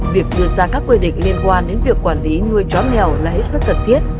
việc đưa ra các quy định liên quan đến việc quản lý nuôi chó mèo là hết sức cần thiết